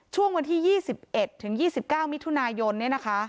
ช่วงวันที่๒๑ถึง๒๙มิยนี้นะคะ